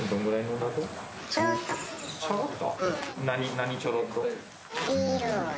何ちょろっと？